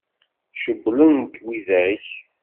Cewwlen-k widak?